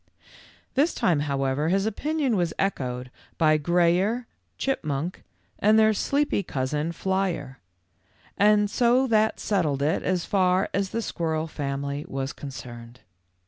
This time, however, his opinion was echoed by Grayer, Chipmunk, and their sleepy cousin, Flyer ; so that settled it as far as the squirrel family was concerned.